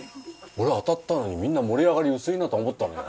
俺当たったのにみんな盛り上がり薄いなとは思ったのよ。